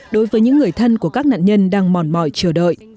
đối với những người thân của các nạn nhân đang mòn mỏi chờ đợi